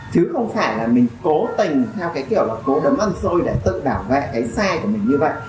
chứ không phải là mình cố tình theo cái kiểu là cố đấm ăn xôi để tự bảo vệ cái xe của mình như vậy